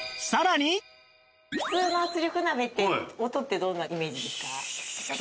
普通の圧力鍋って音ってどんなイメージですか？